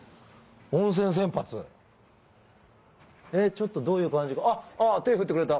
ちょっとどういう感じかあっ手振ってくれたこんにちは。